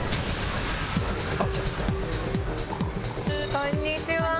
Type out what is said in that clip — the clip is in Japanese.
こんにちはー！